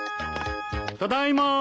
ただいま。